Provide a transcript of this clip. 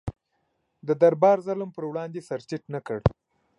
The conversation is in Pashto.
د دربار ظلم پر وړاندې سر ټیټ نه کړ.